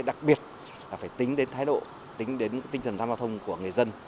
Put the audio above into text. đặc biệt là phải tính đến thái độ tính đến tinh thần tham gia thông của người dân